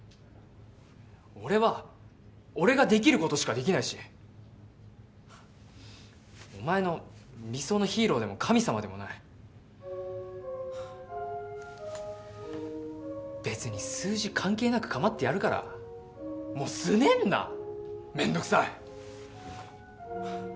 俺は俺ができることしかできないしお前の理想のヒーローでも神さまでもない別に数字関係なく構ってやるからもうすねんなめんどくさい！